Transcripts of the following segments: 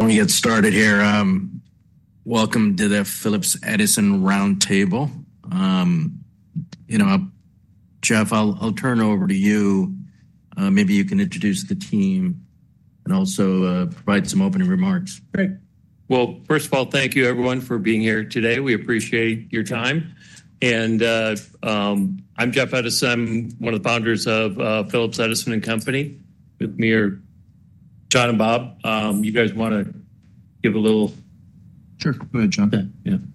Let me get started here. Welcome to the Phillips Edison & Company Roundtable. You know, Jeff, I'll turn it over to you. Maybe you can introduce the team and also provide some opening remarks. Great. First of all, thank you, everyone, for being here today. We appreciate your time. I'm Jeff Edison. I'm one of the founders of Phillips Edison & Company. With me are John and Bob. You guys want to give a little... Sure. Go ahead, John.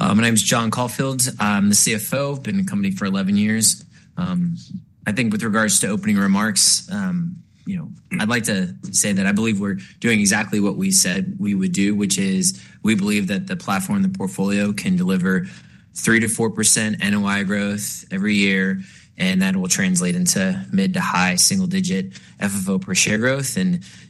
My name is John Caulfield. I'm the CFO. I've been in the company for 11 years. I think with regards to opening remarks, I'd like to say that I believe we're doing exactly what we said we would do, which is we believe that the platform, the portfolio, can deliver 3%-4% NOI growth every year, and that will translate into mid to high single-digit FFO per share growth.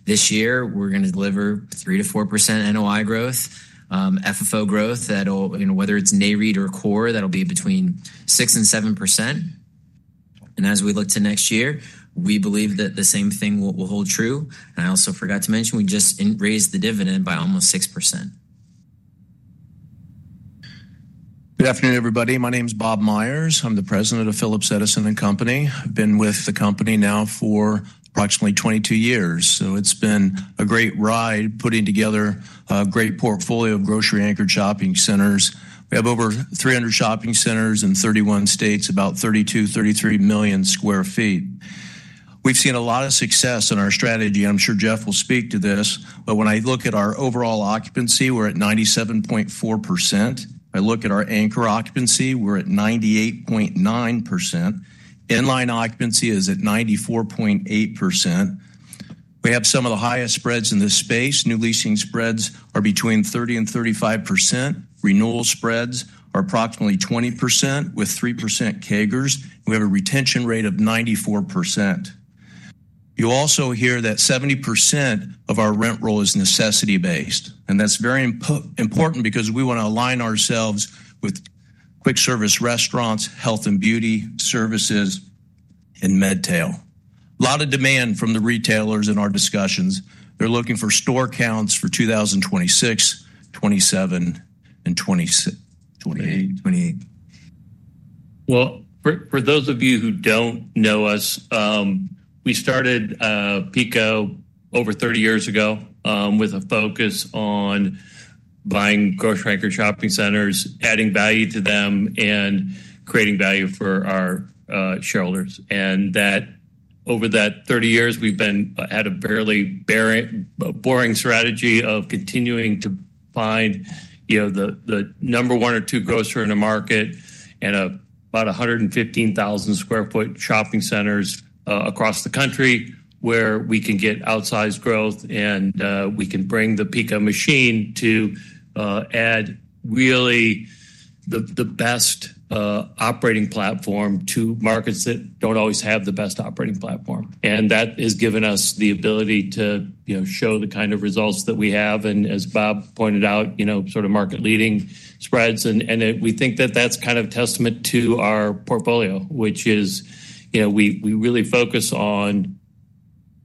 This year, we're going to deliver 3%-4% NOI growth, FFO growth that'll, whether it's NAIRI or CORE, that'll be between 6% and 7%. As we look to next year, we believe that the same thing will hold true. I also forgot to mention we just raised the dividend by almost 6%. Good afternoon, everybody. My name is Bob Myers. I'm the President of Phillips Edison & Company. I've been with the company now for approximately 22 years. It's been a great ride putting together a great portfolio of grocery-anchored neighborhood shopping centers. We have over 300 shopping centers in 31 states, about 32 million sq ft-33 million sq ft. We've seen a lot of success in our strategy. I'm sure Jeff will speak to this. When I look at our overall occupancy, we're at 97.4%. I look at our anchor occupancy, we're at 98.9%. Inline occupancy is at 94.8%. We have some of the highest spreads in this space. New leasing spreads are between 30% and 35%. Renewal spreads are approximately 20% with 3% CAGRs. We have a retention rate of 94%. You'll also hear that 70% of our rent roll is necessity-based. That's very important because we want to align ourselves with quick service restaurants, health and beauty services, and MedTail. A lot of demand from the retailers in our discussions. They're looking for store counts for 2026, 2027, and 2028. For those of you who don't know us, we started PECO over 30 years ago with a focus on buying grocery-anchored neighborhood shopping centers, adding value to them, and creating value for our shareholders. Over that 30 years, we've been at a fairly boring strategy of continuing to find the number one or two grocer in the market and about 115,000 sq ft shopping centers across the country where we can get outsized growth and we can bring the PECO machine to add really the best operating platform to markets that don't always have the best operating platform. That has given us the ability to show the kind of results that we have. As Bob pointed out, sort of market leading spreads. We think that that's kind of testament to our portfolio, which is, we really focus on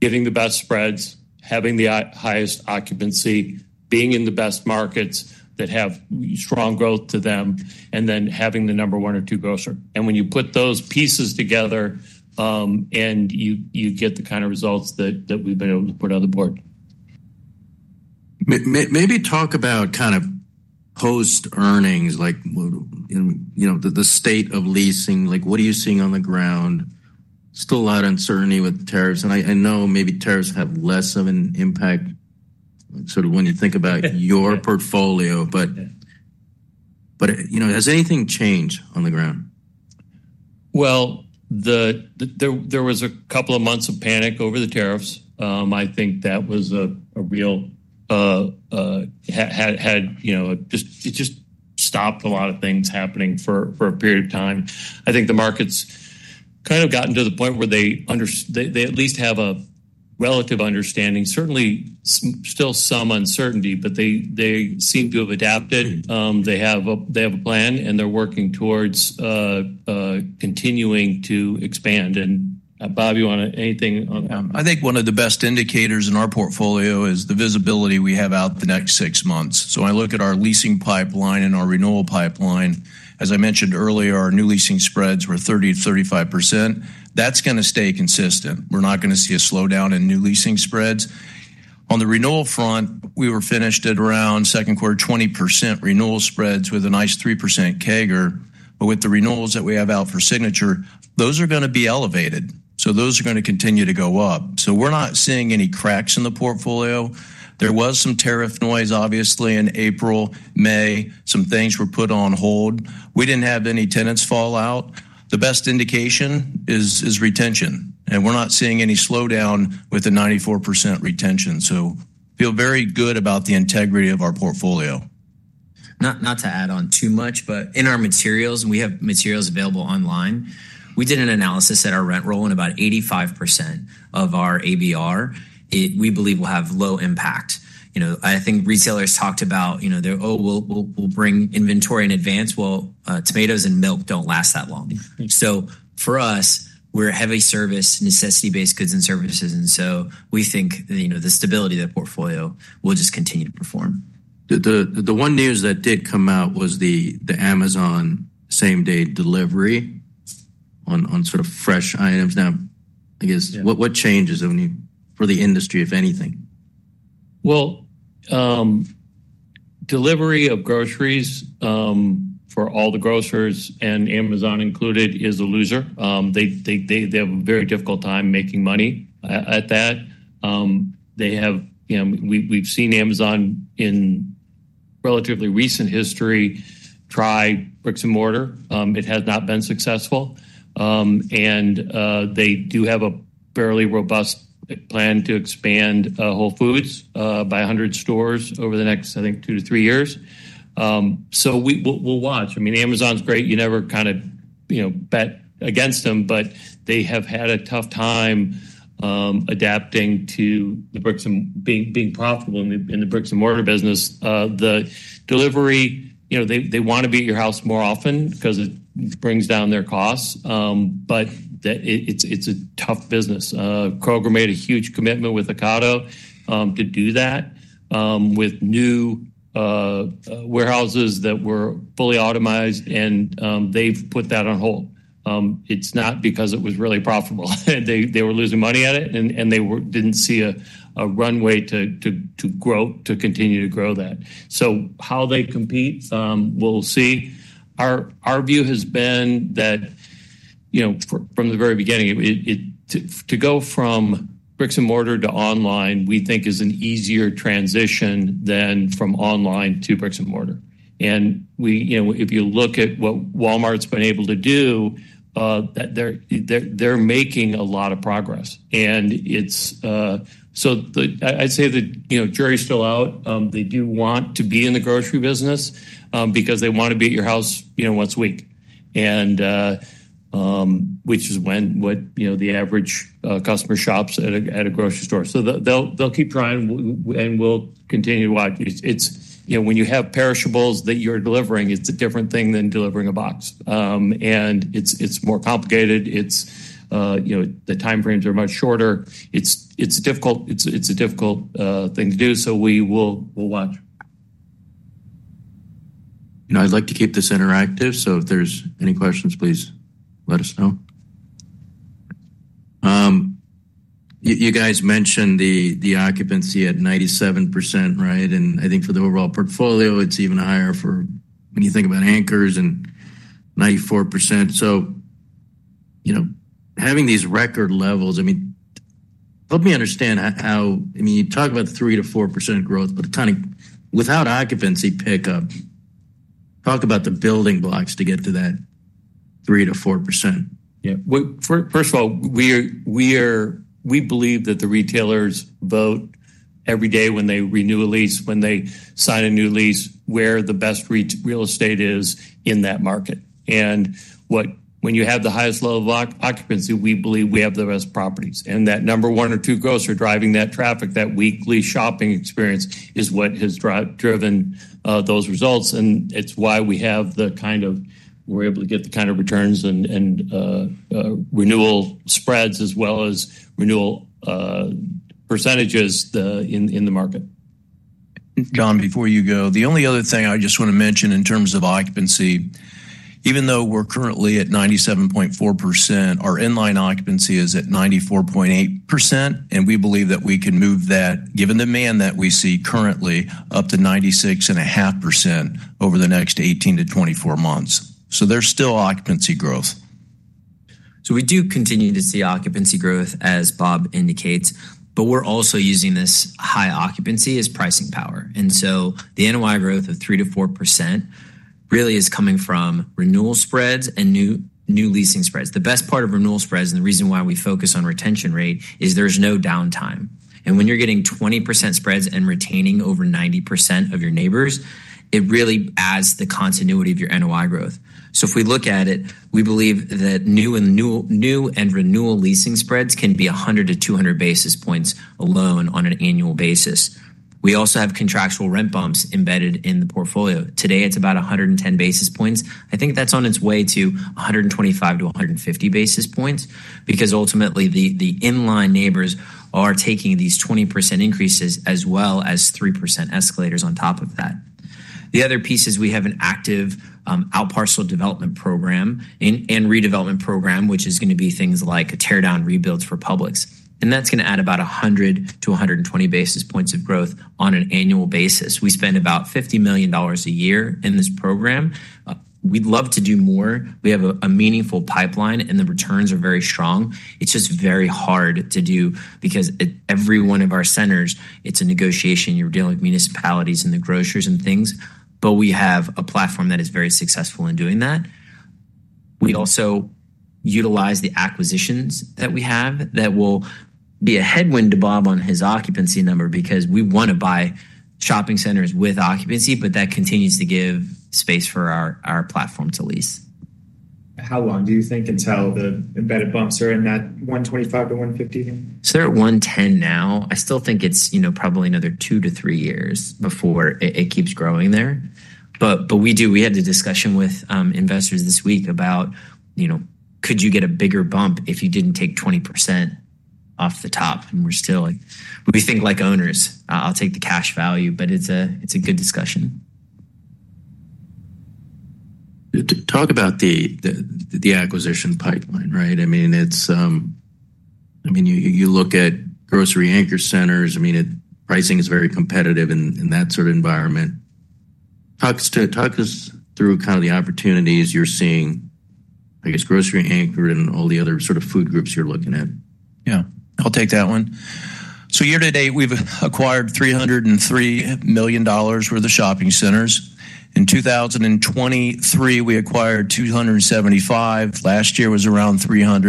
getting the best spreads, having the highest occupancy, being in the best markets that have strong growth to them, and then having the number one or two grocer. When you put those pieces together, you get the kind of results that we've been able to put on the board. Maybe talk about kind of post-earnings, like, you know, the state of leasing. What are you seeing on the ground? There is still a lot of uncertainty with the tariffs. I know maybe tariffs have less of an impact, like sort of when you think about your portfolio, but you know, has anything changed on the ground? There was a couple of months of panic over the tariffs. I think that was a real issue that just stopped a lot of things happening for a period of time. I think the markets have kind of gotten to the point where they understand, they at least have a relative understanding. Certainly, there is still some uncertainty, but they seem to have adapted. They have a plan and they're working towards continuing to expand. Bob, you want to add anything on that? I think one of the best indicators in our portfolio is the visibility we have out the next six months. I look at our leasing pipeline and our renewal pipeline. As I mentioned earlier, our new leasing spreads were 30%-35%. That's going to stay consistent. We're not going to see a slowdown in new leasing spreads. On the renewal front, we were finished at around second quarter 20% renewal spreads with a nice 3% CAGR. With the renewals that we have out for signature, those are going to be elevated. Those are going to continue to go up. We're not seeing any cracks in the portfolio. There was some tariff noise, obviously, in April, May. Some things were put on hold. We didn't have any tenants fall out. The best indication is retention. We're not seeing any slowdown with the 94% retention. I feel very good about the integrity of our portfolio. Not to add on too much, but in our materials, and we have materials available online, we did an analysis at our rent roll and about 85% of our ABR, we believe, will have low impact. I think retailers talked about, you know, oh, we'll bring inventory in advance. Tomatoes and milk don't last that long. For us, we're a heavy service, necessity-based goods and services, and we think the stability of the portfolio will just continue to perform. The one news that did come out was the Amazon same-day delivery on sort of fresh items. Now, I guess what changes for the industry, if anything? Delivery of groceries for all the grocers, Amazon included, is a loser. They have a very difficult time making money at that. We've seen Amazon in relatively recent history try bricks and mortar. It has not been successful. They do have a fairly robust plan to expand Whole Foods by 100 stores over the next, I think, two to three years. We'll watch. Amazon's great. You never kind of, you know, bet against them, but they have had a tough time adapting to the bricks and being profitable in the bricks and mortar business. The delivery, you know, they want to be at your house more often because it brings down their costs. It's a tough business. Kroger made a huge commitment with Ocado to do that with new warehouses that were fully automized, and they've put that on hold. It's not because it was really profitable. They were losing money at it, and they didn't see a runway to continue to grow that. How they compete, we'll see. Our view has been that, you know, from the very beginning, to go from bricks and mortar to online, we think is an easier transition than from online to bricks and mortar. If you look at what Walmart's been able to do, they're making a lot of progress. I'd say the jury's still out. They do want to be in the grocery business because they want to be at your house, you know, once a week, which is when the average customer shops at a grocery store. They'll keep trying, and we'll continue to watch. When you have perishables that you're delivering, it's a different thing than delivering a box. It's more complicated. The time frames are much shorter. It's a difficult thing to do. We will watch. You know, I'd like to keep this interactive. If there's any questions, please let us know. You guys mentioned the occupancy at 97%, right? I think for the overall portfolio, it's even higher for when you think about anchors and 94%. Having these record levels, help me understand how, I mean, you talk about the 3%-4% growth, but kind of without occupancy pickup, talk about the building blocks to get to that 3%-4%. Yeah. First of all, we believe that the retailers vote every day when they renew a lease, when they sign a new lease, where the best real estate is in that market. When you have the highest level of occupancy, we believe we have the best properties. That number one or two grocer driving that traffic, that weekly shopping experience is what has driven those results. It's why we have the kind of, we're able to get the kind of returns and renewal spreads as well as renewal % in the market. John, before you go, the only other thing I just want to mention in terms of occupancy, even though we're currently at 97.4%, our inline occupancy is at 94.8%. We believe that we can move that, given the demand that we see currently, up to 96.5% over the next 18-24 months. There's still occupancy growth. We do continue to see occupancy growth, as Bob indicates, but we're also using this high occupancy as pricing power. The NOI growth of 3%-4% really is coming from renewal spreads and new leasing spreads. The best part of renewal spreads, and the reason why we focus on retention rate, is there's no downtime. When you're getting 20% spreads and retaining over 90% of your neighbors, it really adds the continuity of your NOI growth. If we look at it, we believe that new and renewal leasing spreads can be 100 basis points-200 basis points alone on an annual basis. We also have contractual rent bumps embedded in the portfolio. Today, it's about 110 basis points. I think that's on its way to 125 basis points-150 basis points because ultimately the inline neighbors are taking these 20% increases as well as 3% escalators on top of that. The other piece is we have an active outparcel development program and redevelopment program, which is going to be things like teardown rebuilds for Publix. That's going to add about 100 basis points-120 basis points of growth on an annual basis. We spend about $50 million a year in this program. We'd love to do more. We have a meaningful pipeline and the returns are very strong. It's just very hard to do because at every one of our centers, it's a negotiation. You're dealing with municipalities and the grocers and things. We have a platform that is very successful in doing that. We also utilize the acquisitions that we have that will be a headwind to Bob on his occupancy number because we want to buy shopping centers with occupancy, but that continues to give space for our platform to lease. How long do you think until the embedded bumps are in that 125-150? It's at 110 now. I still think it's probably another two to three years before it keeps growing there. We had a discussion with investors this week about, you know, could you get a bigger bump if you didn't take 20% off the top? We're still like, we think like owners, I'll take the cash value, but it's a good discussion. Talk about the acquisition pipeline, right? I mean, you look at grocery-anchored centers, pricing is very competitive in that sort of environment. Talk us through the opportunities you're seeing, grocery-anchored and all the other food groups you're looking at. Yeah, I'll take that one. Year to date, we've acquired $303 million worth of shopping centers. In 2023, we acquired $275 million. Last year was around $300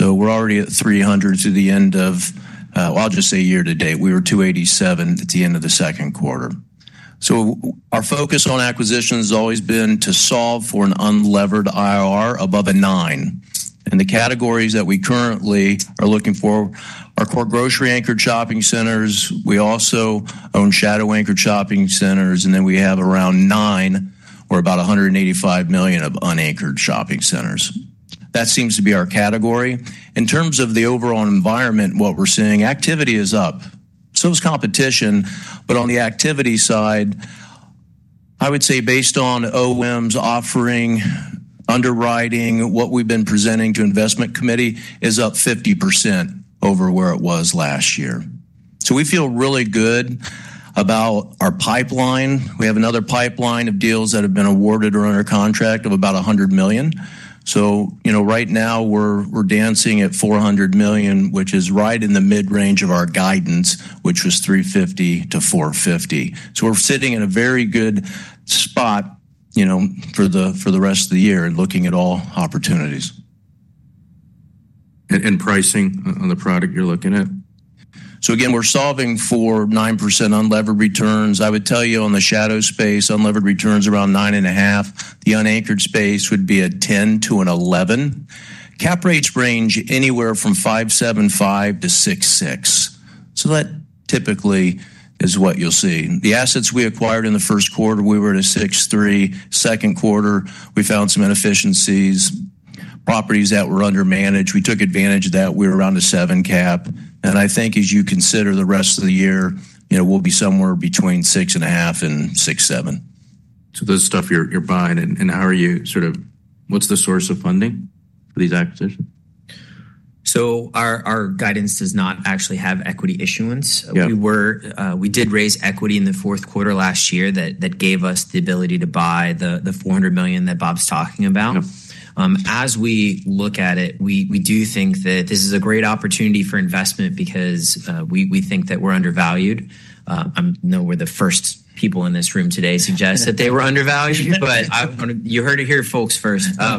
million. We're already at $300 million through the end of, I'll just say year to date, we were $287 million at the end of the second quarter. Our focus on acquisitions has always been to solve for an unlevered IRR above a 9%. The categories that we currently are looking for are core grocery-anchored shopping centers. We also own shadow-anchored shopping centers, and then we have around nine or about $185 million of unanchored shopping centers. That seems to be our category. In terms of the overall environment, what we're seeing, activity is up. Competition is up as well. On the activity side, I would say based on OEMs offering, underwriting, what we've been presenting to investment committee is up 50% over where it was last year. We feel really good about our pipeline. We have another pipeline of deals that have been awarded or are under contract of about $100 million. Right now we're dancing at $400 million, which is right in the mid-range of our guidance, which was $350 million-$450 million. We're sitting in a very good spot for the rest of the year and looking at all opportunities. Is pricing on the product you're looking at? We're solving for 9% unlevered returns. I would tell you on the shadow space, unlevered returns are around 9.5%. The unanchored space would be a 10% to an 11%. Cap rates range anywhere from 5.75%-6.6%. That typically is what you'll see. The assets we acquired in the first quarter, we were at a 6.3%. In the second quarter, we found some inefficiencies, properties that were undermanaged. We took advantage of that. We were around a 7% cap. As you consider the rest of the year, you know, we'll be somewhere between 6.5% and 6.7%. You're buying this stuff, and how are you sort of, what's the source of funding for these acquisitions? Our guidance does not actually have equity issuance. We did raise equity in the fourth quarter last year that gave us the ability to buy the $400 million that Bob's talking about. As we look at it, we do think that this is a great opportunity for investment because we think that we're undervalued. I know we're the first people in this room today to suggest that they were undervalued, but you heard it here, folks, first. I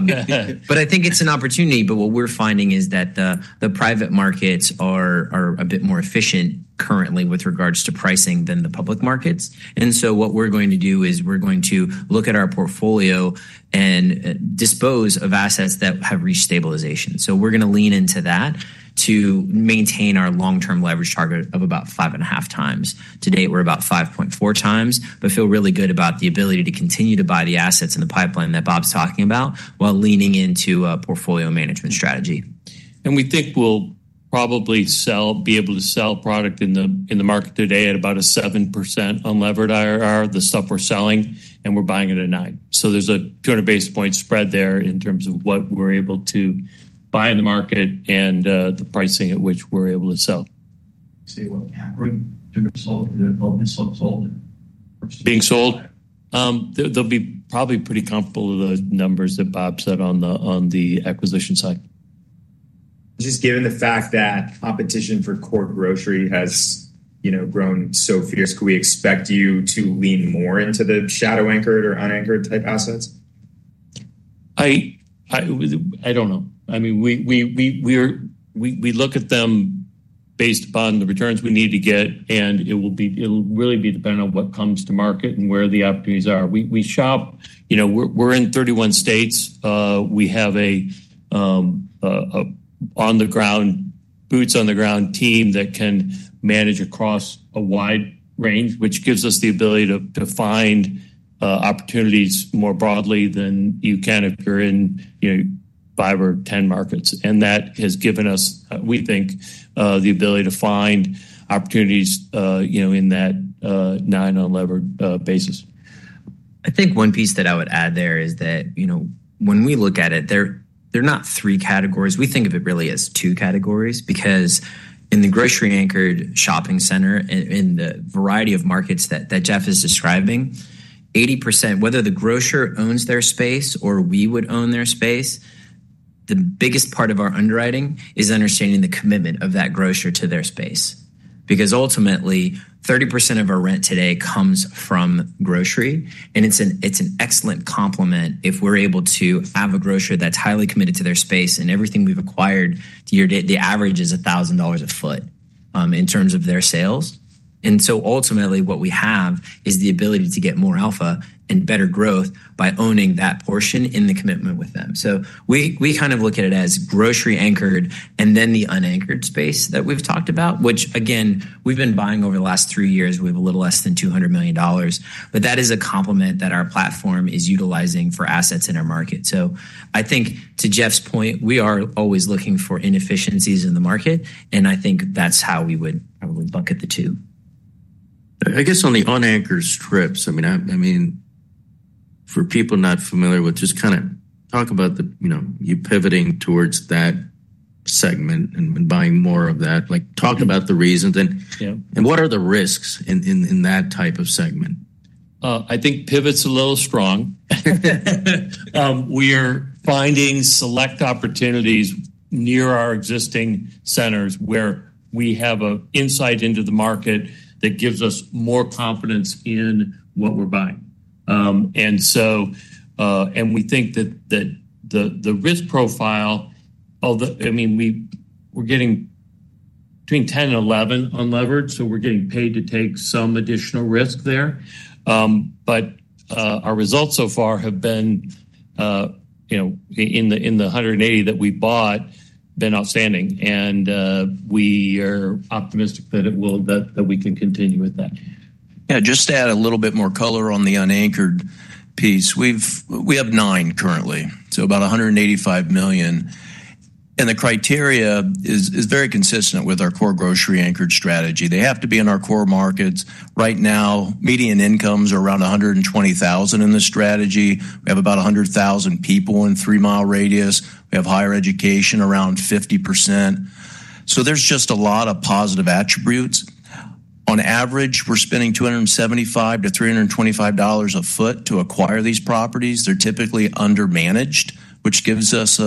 think it's an opportunity. What we're finding is that the private markets are a bit more efficient currently with regards to pricing than the public markets. What we're going to do is look at our portfolio and dispose of assets that have reached stabilization. We're going to lean into that to maintain our long-term leverage target of about 5.5x. To date, we're about 5.4x, but feel really good about the ability to continue to buy the assets in the pipeline that Bob's talking about while leaning into a portfolio management strategy. We think we'll probably be able to sell product in the market today at about a 7% unlevered IRR, the stuff we're selling, and we're buying it at a 9%. There's a 200 basis point spread there in terms of what we're able to buy in the market and the pricing at which we're able to sell. Being sold? They'll be probably pretty comfortable with the numbers that Bob said on the acquisition side. Just given the fact that competition for core grocery has grown so fiercely, we expect you to lean more into the shadow anchored or unanchored type assets? I don't know. I mean, we look at them based upon the returns we need to get, and it'll really be dependent on what comes to market and where the opportunities are. We shop, you know, we're in 31 states. We have an on-the-ground, boots-on-the-ground team that can manage across a wide range, which gives us the ability to find opportunities more broadly than you can if you're in, you know, five or ten markets. That has given us, we think, the ability to find opportunities, you know, in that 9% unlevered basis. I think one piece that I would add there is that, you know, when we look at it, they're not three categories. We think of it really as two categories because in the grocery-anchored shopping center and in the variety of markets that Jeff is describing, 80%, whether the grocer owns their space or we would own their space, the biggest part of our underwriting is understanding the commitment of that grocer to their space. Ultimately, 30% of our rent today comes from grocery, and it's an excellent complement if we're able to have a grocer that's highly committed to their space. Everything we've acquired to year date, the average is $1,000 a foot in terms of their sales. Ultimately, what we have is the ability to get more alpha and better growth by owning that portion in the commitment with them. We kind of look at it as grocery-anchored and then the unanchored space that we've talked about, which again, we've been buying over the last three years. We have a little less than $200 million, but that is a complement that our platform is utilizing for assets in our market. I think to Jeff's point, we are always looking for inefficiencies in the market, and I think that's how we would probably bucket the two. I guess on the unanchored strips, for people not familiar with, just kind of talk about the, you know, you pivoting towards that segment and buying more of that. Talk about the reasons and what are the risks in that type of segment. I think pivot's a little strong. We are finding select opportunities near our existing centers where we have an insight into the market that gives us more confidence in what we're buying. We think that the risk profile, although, I mean, we're getting between 10% and 11% unlevered, so we're getting paid to take some additional risk there. Our results so far have been, you know, in the 180 that we bought, been outstanding. We are optimistic that we can continue with that. Yeah, just to add a little bit more color on the unanchored piece, we have nine currently, so about $185 million. The criteria is very consistent with our core grocery-anchored strategy. They have to be in our core markets. Right now, median incomes are around $120,000 in the strategy. We have about 100,000 people in a three-mile radius. We have higher education around 50%. There are just a lot of positive attributes. On average, we're spending $275 to $325 a foot to acquire these properties. They're typically undermanaged, which gives us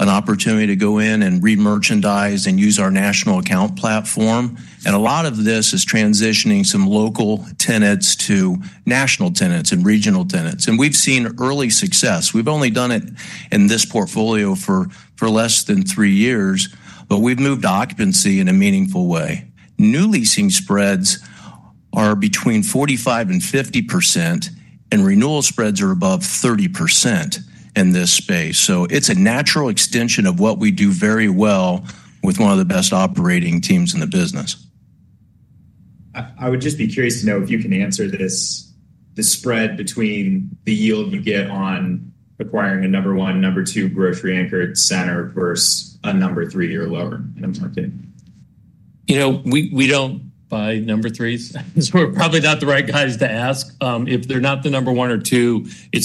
an opportunity to go in and re-merchandise and use our national account platform. A lot of this is transitioning some local tenants to national tenants and regional tenants. We've seen early success. We've only done it in this portfolio for less than three years, but we've moved occupancy in a meaningful way. New leasing spreads are between 45% and 50%, and renewal spreads are above 30% in this space. It's a natural extension of what we do very well with one of the best operating teams in the business. I would just be curious to know if you can answer this: the spread between the yield you get on acquiring a number one and number two grocery-anchored center versus a number three or lower. I'm talking, you know. We don't buy number threes. We're probably not the right guys to ask. If they're not the number one or two, we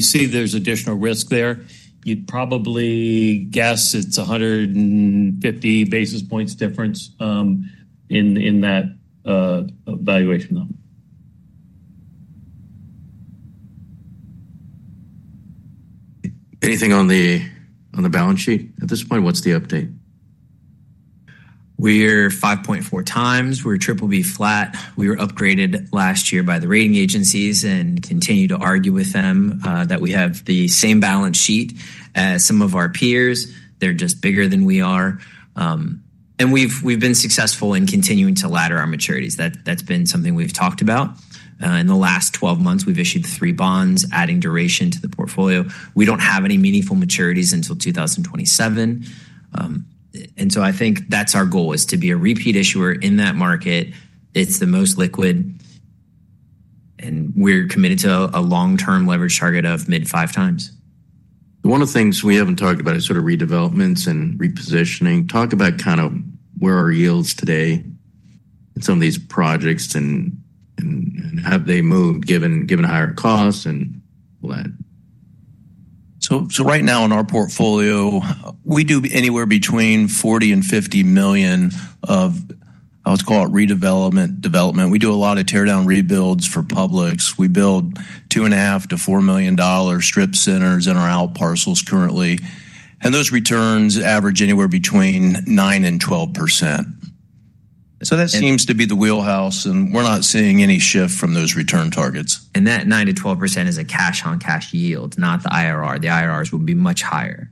see there's additional risk there. You'd probably guess it's 150 basis points difference in that evaluation though. Anything on the balance sheet at this point? What's the update? We are 5.4 times. We're BBB flat. We were upgraded last year by the rating agencies and continue to argue with them that we have the same balance sheet as some of our peers. They're just bigger than we are. We've been successful in continuing to ladder our maturities. That's been something we've talked about. In the last 12 months, we've issued three bonds, adding duration to the portfolio. We don't have any meaningful maturities until 2027. I think that's our goal is to be a repeat issuer in that market. It's the most liquid. We're committed to a long-term leverage target of mid-5x. One of the things we haven't talked about is sort of redevelopments and repositioning. Talk about kind of where our yields are today at some of these projects, and how they move given higher costs and all that. Right now in our portfolio, we do anywhere between $40 million and $50 million of, let's call it, redevelopment development. We do a lot of teardown rebuilds for Publix. We build $2.5 million-$4 million strip centers in our outparcels currently, and those returns average anywhere between 9% and 12%. That seems to be the wheelhouse, and we're not seeing any shift from those return targets. That 9%-12% is a cash-on-cash yield, not the IRR. The IRRs would be much higher.